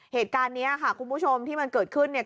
เหตุการณ์นี้ค่ะคุณผู้ชมที่มันเกิดขึ้นเนี่ย